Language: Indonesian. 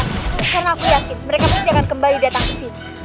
karena aku yakin mereka pasti akan kembali datang ke sini